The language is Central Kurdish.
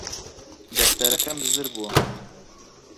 دەفتەرەکەم بزر بووە